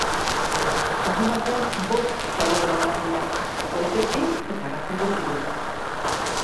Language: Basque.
Egun batean bost saio grabatzen dira, goizez bi eta arratsaldez hiru.